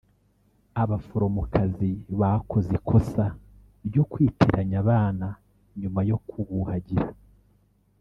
Abaforomokazi bakoze ikosa ryo kwitiranya abana nyuma yo kubuhagira